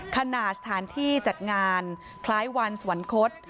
ขณะสถานที่จัดงานคล้ายวันสวรรคต